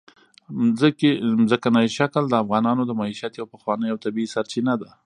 ځمکنی شکل د افغانانو د معیشت یوه پخوانۍ او طبیعي سرچینه ده.